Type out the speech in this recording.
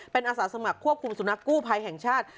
เป็นอาสาสมัครควบคุมสุนัขกู้ภัยแห่งชาติ